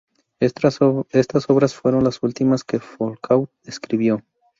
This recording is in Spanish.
Estas obras fueron las últimas que Foucault escribió.